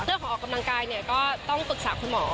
ออกกำลังกายเนี่ยก็ต้องปรึกษาคุณหมอ